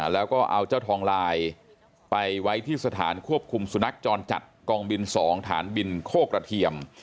แล้วก็เอาเจ้าทองลายไปไว้ที่สถานควบคุมสุนัขจรจัดกองบิน๒ฐานบินโคกระเทียม